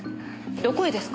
どこへですか？